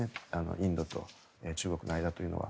インドと中国の間というのは。